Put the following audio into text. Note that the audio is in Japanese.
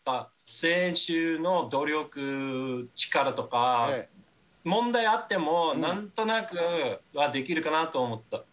選手の努力、力とか、問題あっても、なんとなくはできるかなと思った。